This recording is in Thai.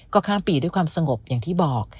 ก็ข้ามปีด้วยความสงบอย่างที่บอก